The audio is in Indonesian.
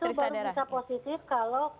itu baru bisa positif kalau